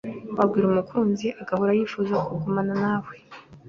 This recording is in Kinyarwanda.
wabwira umukunzi agahora yifuza kugumana nawe